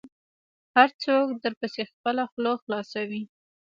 هر څوک درپسې خپله خوله خلاصوي .